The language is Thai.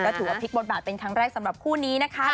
ถือว่าพลิกบทบาทเป็นครั้งแรกสำหรับคู่นี้นะคะ